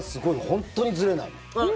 本当にずれないもん。